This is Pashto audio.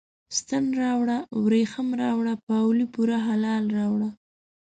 ستن راوړه، وریښم راوړه، پاولي پوره هلال راوړه